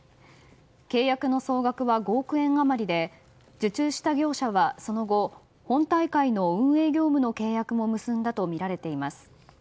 契約の総額は５億円余りで受注した業者はその後本大会の運営業務の契約も結んだとみられています。